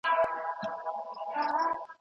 په دغي کیسې کي ډېر غم دی.